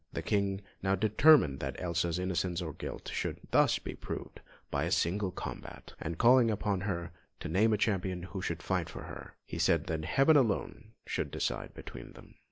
The King now determined that Elsa's innocence or guilt should thus be proved by single combat, and calling upon her to name a champion who should fight for her, he said that Heaven alone should decide between them.